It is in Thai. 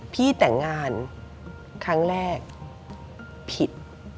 พี่แต่งงานครั้งแรกผิด